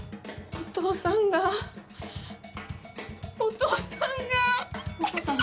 お父さんお父さんが。何？